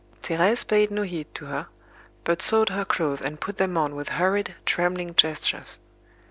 Thérèse paid no heed to her, but sought her clothes and put them on with hurried, trembling gestures.